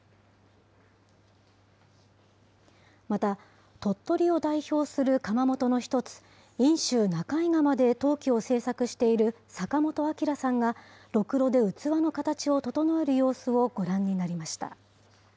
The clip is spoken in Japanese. また、鳥取を代表する窯元の一つ、因州・中井窯で陶器を制作している坂本章さんが、ろくろで器の形を整える様子をご覧になりました。